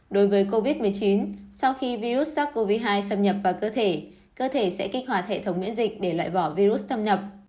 đối với covid một mươi chín sau khi virus sars cov hai xâm nhập vào cơ thể cơ thể sẽ kích hoạt hệ thống miễn dịch để loại bỏ virus xâm nhập